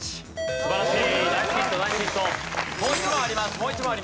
素晴らしい。